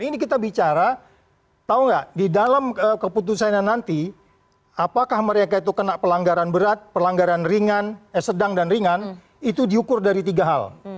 ini kita bicara tahu nggak di dalam keputusannya nanti apakah mereka itu kena pelanggaran berat pelanggaran ringan sedang dan ringan itu diukur dari tiga hal